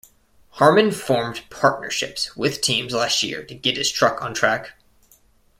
Harmon formed partnerships with teams last year to get his truck on track.